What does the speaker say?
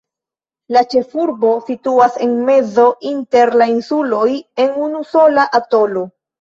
La ĉefurbo situas en mezo inter la insuloj, en unusola atolo.